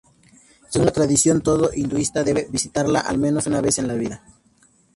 Según la tradición, todo hinduista debe visitarla al menos una vez en la vida.